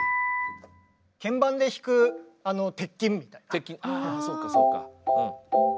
鉄琴あそうかそうか。